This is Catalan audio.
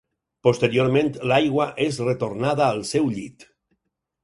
Posteriorment l'aigua és retornada al seu llit.